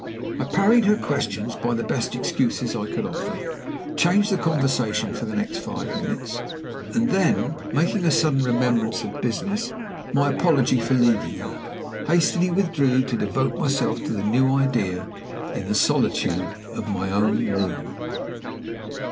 I parried her questions by the best excuses I could offer; changed the conversation for the next five minutes, and then, making a sudden remembrance of business my apology for leaving her, hastily withdrew to devote myself to the new idea in the solitude of my own room.